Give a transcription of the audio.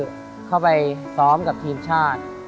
เข้าไปซ้อมกับทีมชาติ